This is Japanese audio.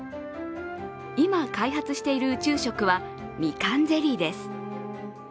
今、開発している宇宙食はみかんゼリーです。